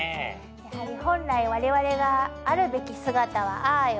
やはり本来我々があるべき姿はああよ。